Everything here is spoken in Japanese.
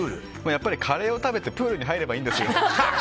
やっぱりカレーを食べてプールに入ればいいんですよ。